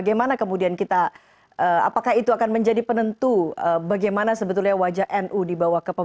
bagaimana kemudian kita apakah itu akan menjadi penentu bagaimana sebetulnya wajah nu dibawa ke pemilu